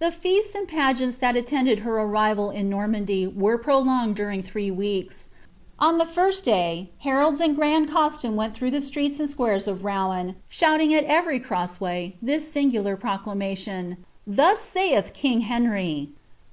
The feasts and pageants that niiended her arrival in Norttmndy wm prolonged during three weeks. On the first day, heralds in grand ens* iiune went through the streets and squares of Bouen, shouting at tntf etouway this singular proclamation :— '^Thus saiih king Henry!